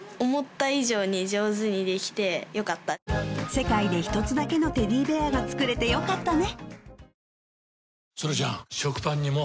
世界で一つだけのテディベアが作れてよかったね